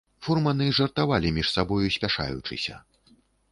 Фурманы жартавалі між сабою спяшаючыся.